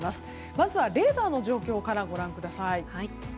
まずはレーダーの状況からご覧ください。